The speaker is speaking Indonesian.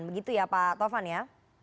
begitu ya pak tovan ya